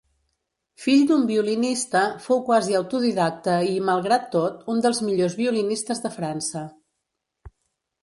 Fill d'un violinista, fou quasi autodidacta i, malgrat tot, un dels millors violinistes de França.